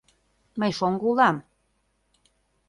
Мый шоҥго улам...